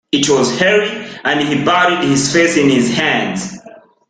It was Harry, and he buried his face in his hands.